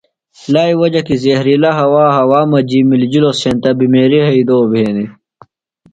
لائی وجہ کی زہرِلہ ہوا ہوا مجیۡ مِلِجلوۡ سینتہ بِمیریہ ہیدوۡ بھینیۡ